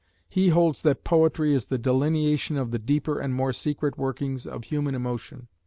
He holds that poetry is the delineation of the deeper and more secret workings of human emotion.